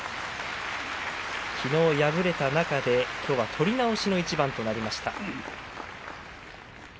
きのう敗れた中できょうは取り直しの一番となりました。